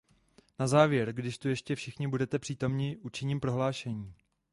Na závěr, když tu ještě všichni budete přítomni, učiním prohlášení.